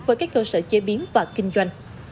với các cơ sở chế biến và kinh doanh